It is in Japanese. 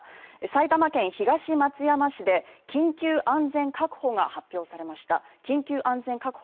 埼玉県東松山市で緊急安全確保が発表されました。